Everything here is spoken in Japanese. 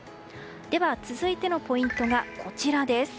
では、続いてのポイントがこちら。